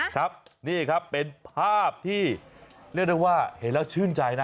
ครับนี่ครับเป็นภาพที่เรียกได้ว่าเห็นแล้วชื่นใจนะ